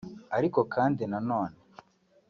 Ariko kandi nanone